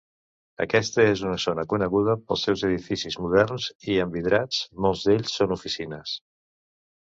Aquesta és una zona coneguda pels seus edificis moderns i envidrats; molts d'ells són oficines.